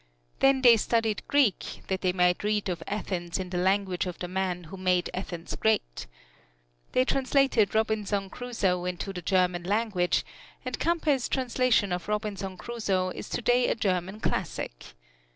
Then they studied Greek, that they might read of Athens in the language of the men who made Athens great. They translated "Robinson Crusoe" into the German language, and Campe's translation of "Robinson Crusoe" is today a German classic.